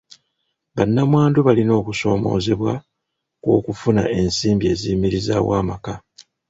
Bannamwandu balina okusoomoozebwa kw'okufuna ensimbi eziyimirizaawo amaka.